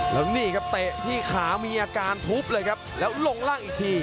แล้วนี่ครับเตะที่ขามีอาการทุบเลยครับแล้วลงล่างอีกที